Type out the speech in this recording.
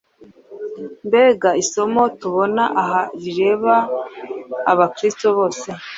Mbega isomo tubona aha rireba Abakristo bose.